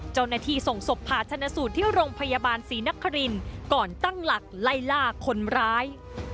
เจ้าหน้าที่ส่งศพผ่าชนะสูตรที่โรงพยาบาลศรีนครินก่อนตั้งหลักไล่ล่าคนร้าย